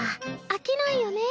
飽きないよね。